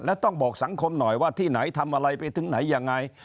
แล้วต้องบอกสังคมหน่อยว่าที่ไหนทำอะไรไปถึงไหนยังไง